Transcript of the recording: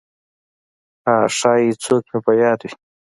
«ها… ښایي څوک مې په یاد وي!»